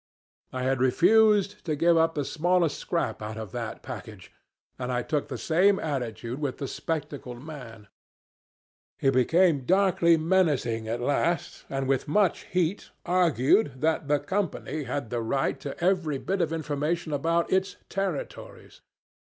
I had refused to give up the smallest scrap out of that package, and I took the same attitude with the spectacled man. He became darkly menacing at last, and with much heat argued that the Company had the right to every bit of information about its 'territories.'